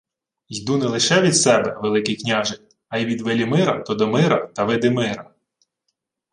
— Йду не лише від себе, Великий княже, а й від Велімира, Тодомира та Видимира...